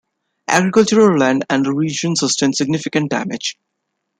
Agricultural land and the region sustained significant damage.